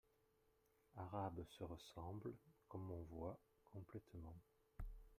arabe se ressemblent, comme on voit, complètement.